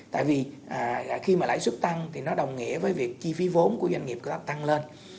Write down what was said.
tại vì khi mà lãi suất tăng thì nó đồng nghĩa với việc chi phí vốn của doanh nghiệp tăng lên